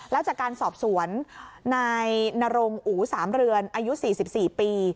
แล้วจากการสอบสวนนายนรงอูสามเรือนอายุ๔๔ปี